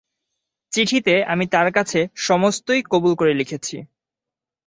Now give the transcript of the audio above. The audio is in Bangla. চিঠিতে আমি তার কাছে সমস্তই কবুল করে লিখেছি।